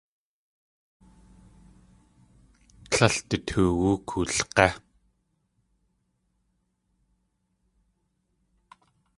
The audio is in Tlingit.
Tlél du toowú koolg̲é.